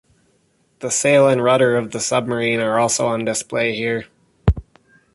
The sail and rudder of the submarine are also on display here.